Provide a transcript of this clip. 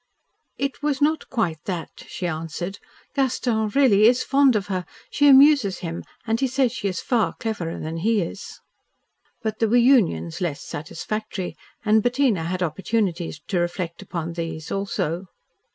"It was not quite that," she answered. "Gaston really is fond of her. She amuses him, and he says she is far cleverer than he is." But there were unions less satisfactory, and Bettina had opportunities to reflect upon these also.